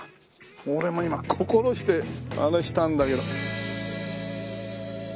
俺も今心してあれしたんだけど。